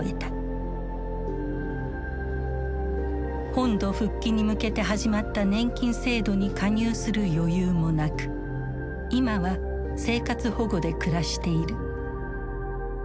本土復帰に向けて始まった年金制度に加入する余裕もなく今は生活保護で暮らしている。